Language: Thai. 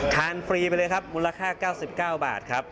ทานฟรีไปเลยครับมูลค่า๙๙บาท